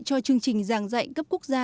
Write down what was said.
cho chương trình giảng dạy cấp quốc gia